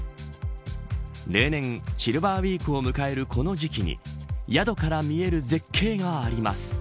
例年、シルバーウイークを迎えるこの時期に宿から見える絶景があります。